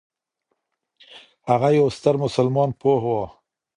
هغه یو ستر مسلمان پوه و.